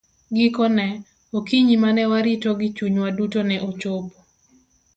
Gikone, okinyi ma ne warito gi chunywa duto ne ochopo.